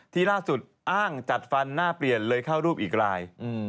ที่ล่าสุดอ้างจัดฟันหน้าเปลี่ยนเลยเข้ารูปอีกราย